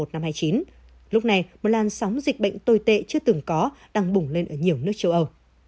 năm hai mươi chín lúc này một làn sóng dịch bệnh tồi tệ chưa từng có đang bùng lên ở nhiều nước châu âu